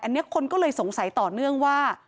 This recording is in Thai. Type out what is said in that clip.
อันนี้คนก็เลยสงสัยต่อเนื่องว่า